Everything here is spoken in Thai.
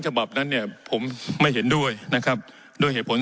ฉบับนั้นเนี่ยผมไม่เห็นด้วยนะครับด้วยเหตุผล